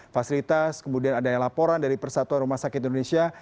fasilitas kemudian adanya laporan dari persatuan rumah sakit indonesia